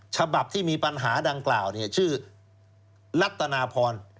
ฉบับที่มีปัญหาดังกล่าวชื่อรัฐนาพร